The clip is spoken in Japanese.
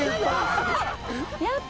やった。